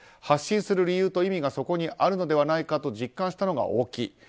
発信する理由と意味がそこにあるのではないかと実感したのが大きい。